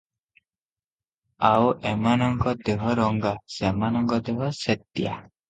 ଆଉ ଏମାନଙ୍କ ଦେହ ରଙ୍ଗା, ସେମାନଙ୍କ ଦେହ ଶେତିଆ ।"